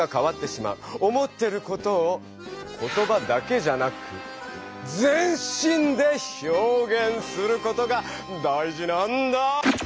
思ってることを言葉だけじゃなく全身で表現することが大事なんだ！